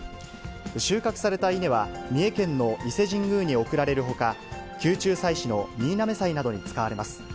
収穫された稲は、三重県の伊勢神宮に送られるほか、宮中祭しの新嘗祭などに使われます。